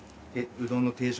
うどん定食。